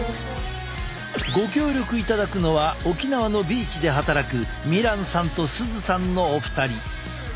ご協力いただくのは沖縄のビーチで働く美欄さんと涼さんのお二人。